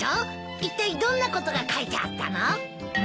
いったいどんなことが書いてあったの？